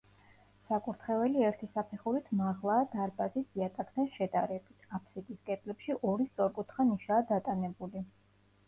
საკურთხეველი ერთი საფეხურით მაღლაა დარბაზის იატაკთან შედარებით, აფსიდის კედლებში ორი სწორკუთხა ნიშაა დატანებული.